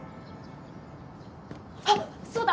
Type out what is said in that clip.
あっそうだ！